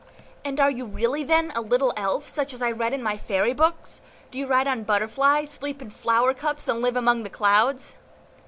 "And are you really, then, a little Elf, such as I read of in my fairy books? Do you ride on butterflies, sleep in flower cups, and live among the clouds?"